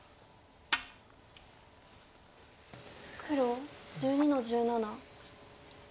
黒１２の十七。